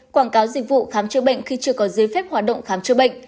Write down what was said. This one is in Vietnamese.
quảng cáo dịch vụ khám chữa bệnh khi chưa có giấy phép hoạt động khám chữa bệnh